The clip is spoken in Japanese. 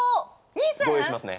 ２選！？ご用意しますね。